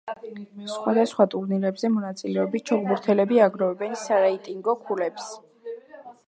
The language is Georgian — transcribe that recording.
სხვადასხვა ტურნირებზე მონაწილეობით, ჩოგბურთელები აგროვებენ სარეიტინგო ქულებს.